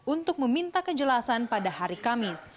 untuk meminta kejelasan pada hari kamis